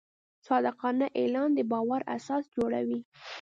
صادقانه اعلان د باور اساس جوړوي.